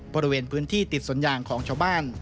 บริเวณพื้นที่ติดสนยางของชาวบ้าน